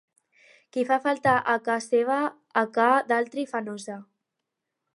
Qui fa falta a ca seva, a ca d'altri fa nosa.